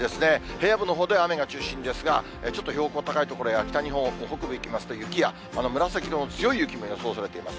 平野部のほうでは雨が中心ですが、ちょっと標高高い所や北日本北部行きますと、雪や、紫の強い雪も予想されています。